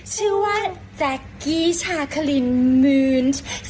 ชื่อว่าแจ๊กกี้ชาคลินมืน